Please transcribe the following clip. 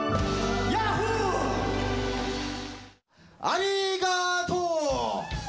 ありがとう！